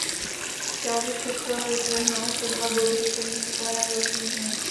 Chtěla bych přesto vyzdvihnout dva body, kterým přikládám veliký význam.